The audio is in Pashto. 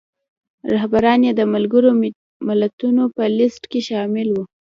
رهبران یې د ملګرو ملتونو په لیست کې شامل وو.